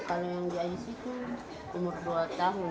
kalau yang di aisi itu umur dua tahun